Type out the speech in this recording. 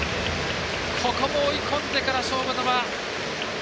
ここも追い込んでから勝負球。